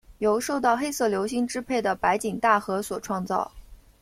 由受到黑色流星支配的白井大和所创造。